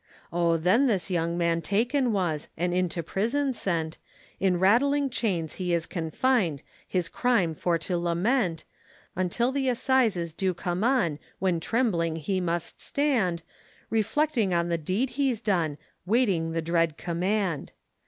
O then this young man taken was, And into prison sent, In ratling chains he is confin'd, His crime for to lament, Until the Assizes do come on When trembling he must stand, Reflecting on the deed he's done; Waiting the dread command.